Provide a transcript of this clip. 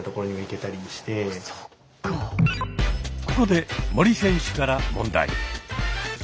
ここで森選手から問題。